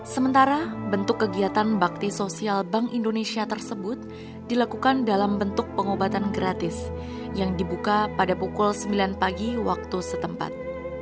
sementara bentuk kegiatan bakti sosial bank indonesia tersebut dilakukan dalam bentuk pengobatan gratis yang dibuka pada pukul sembilan pagi waktu setempat